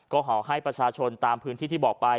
ก็ขอให้ประชาชนตามพื้นที่ที่บอกไป